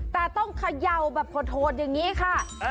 แต่ต้องเขย่าแบบโหดอย่างนี้ค่ะ